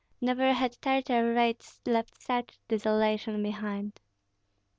Never had Tartar raids left such desolation behind.